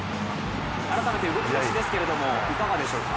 改めて動き出しですけれども、いかがですか？